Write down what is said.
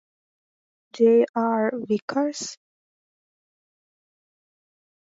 J. R. Vicars.